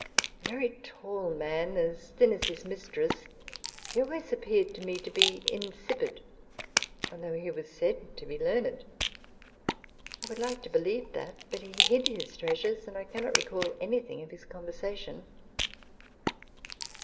A very tall man, as thin as his mistress, he always appeared to me to be insipid, although he was said to be learned. I would like to believe that, but he hid his treasures, and I cannot recall anything of his conversation.